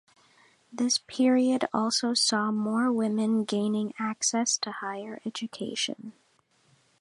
This period also saw more women gaining access to higher education.